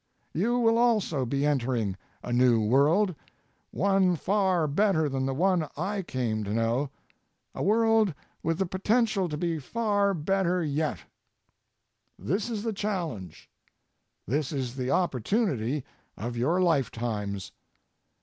You will also be entering a new world, one far better than the one I came to know, a world with the potential to be far better yet. This is the challenge. This is the opportunity of your lifetimes.